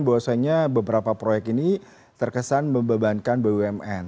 bahwasanya beberapa proyek ini terkesan membebankan bumn